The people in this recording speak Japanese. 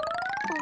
あ。